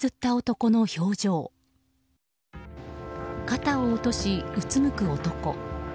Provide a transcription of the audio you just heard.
肩を落とし、うつむく男。